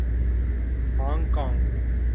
Hong Kong